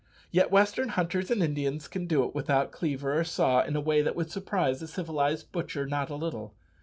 Yet western hunters and Indians can do it without cleaver or saw, in a way that would surprise a civilized butcher not a little.